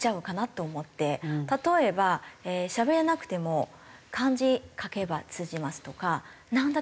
例えばしゃべれなくても漢字書けば通じますとかなんだ